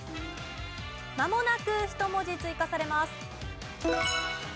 まもなく１文字追加されます。